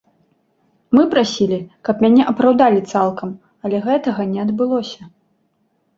Мы прасілі, каб мяне апраўдалі цалкам, але гэтага не адбылося.